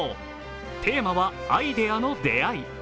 テーマはアイデアの出会い。